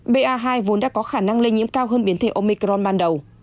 ba hai vốn đã có khả năng lây nhiễm cao hơn biến thể omicron